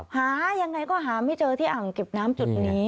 หายังไงก็หาไม่เจอที่อ่างเก็บน้ำจุดนี้